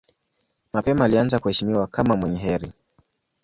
Mapema alianza kuheshimiwa kama mwenye heri.